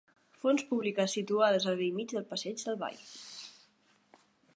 Fonts públiques situades al bell mig del passeig del vall.